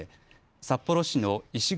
札幌市の石栗